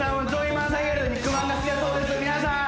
皆さん！